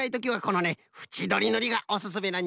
ふちどりぬりがおすすめなんじゃよね。